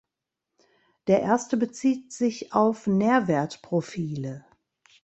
Der erste bezieht sich auf Nährwertprofile.